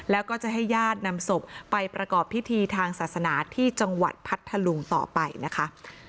แล้วก็จะให้ญาตินำศพไปประกอบพิธีทางศาสนาที่จังหวัดพัทธลุงต่อไปนะคะ